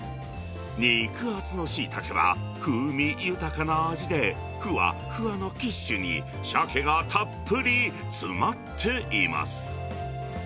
肉厚のシイタケは風味豊かな味で、ふわふわのキッシュにシャケがたっぷり詰まっています。